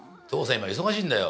今忙しいんだよ。